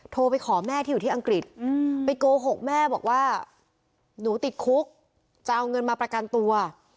โทรไปขอแม่ที่อยู่ที่อังกฤษไปโกหกแม่บอกว่าหนูติดคุกจะเอาเงินมาประกันตัว